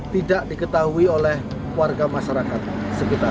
tidak diketahui oleh warga masyarakat sekitar